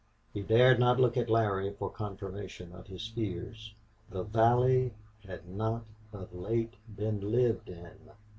He dared not look at Larry for confirmation of his fears. The valley had not of late been lived in!